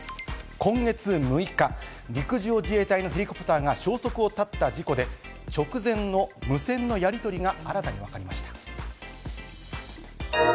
今月６日、陸上自衛隊のヘリコプターが消息を絶った事故で、直前の無線のやりとりが新たに分かりました。